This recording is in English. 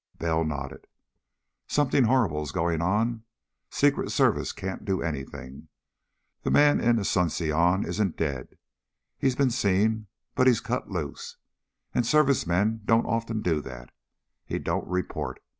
Bell nodded. "Something horrible is going on. Secret Service can't do anything. The man in Asunción isn't dead he's been seen but he's cut loose. And Service men don't often do that. He don't report.